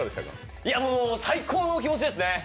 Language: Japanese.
最高の気持ちですね。